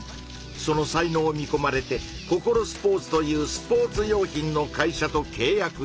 その才能を見こまれてココロスポーツというスポーツ用品の会社とけい約した。